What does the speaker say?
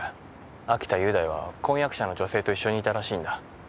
秋田雄大は婚約者の女性と一緒にいたらしいんだ。